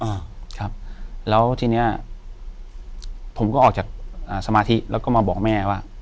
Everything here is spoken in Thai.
อ่าครับแล้วทีเนี้ยผมก็ออกจากอ่าสมาธิแล้วก็มาบอกแม่ว่า